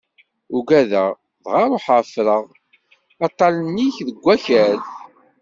Ugadeɣ, dɣa ṛuḥeɣ ffreɣ aṭalan-ik deg wakal.